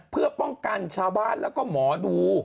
เพื่อป้องกันชาวบ้านแล้วก็หมอดู